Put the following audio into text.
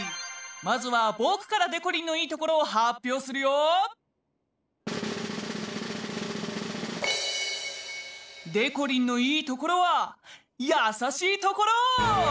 まずはぼくからでこりんのいいところをはっぴょうするよ！でこりんのいいところはやさしいところ！